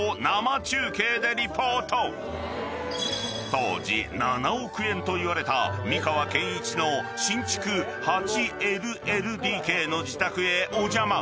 ［当時７億円といわれた美川憲一の新築８ＬＬＤＫの自宅へお邪魔］